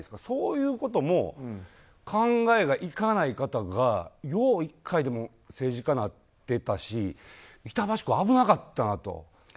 そういうことも考えがいかない方がよう１回でも政治家になってたし板橋区、危なかったなと。